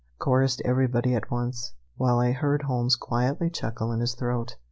chorused everybody at once, while I heard Holmes quietly chuckle in his throat.